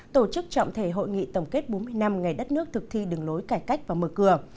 tổ chức trọng thể hội nghị tổng kết bốn mươi năm ngày đất nước thực thi đường lối cải cách và mở cửa